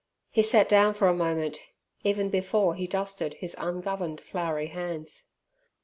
He sat down for a moment, even before he dusted his ungoverned floury hands.